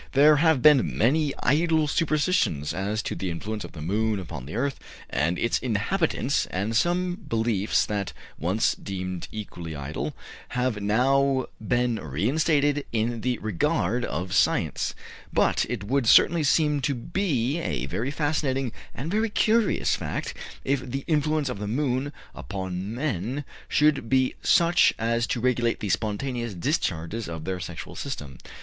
There have been many idle superstitions as to the influence of the moon upon the earth and its inhabitants, and some beliefs that once deemed equally idle have now been re instated in the regard of science; but it would certainly seem to be a very fascinating and very curious fact if the influence of the moon upon men should be such as to regulate the spontaneous discharges of their sexual system.